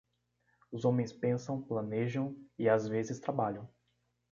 Os homens pensam, planejam e às vezes trabalham.